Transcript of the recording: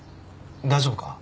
大丈夫か？